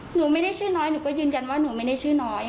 หนูไม่ได้ชื่อน้อยหนูก็ยืนยันว่าหนูไม่ได้ชื่อน้อย